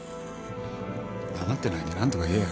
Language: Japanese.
黙ってないで何とか言えよ！